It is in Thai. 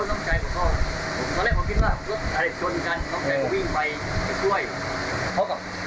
น้องชายก็วิ่งไฟไปช่วยเพราะมีคนอื่นที่ใจมันออกมาให้หมอพอล์งั้น